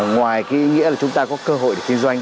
ngoài cái ý nghĩa là chúng ta có cơ hội để kinh doanh